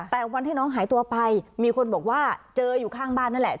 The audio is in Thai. แต่วันที่น้องหายตัวไปมีคนบอกว่าเจออยู่ข้างบ้านนั่นแหละ